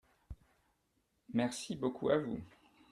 Merci (beaucoup à vous) !